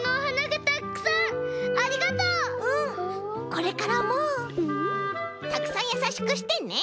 これからもたくさんやさしくしてね？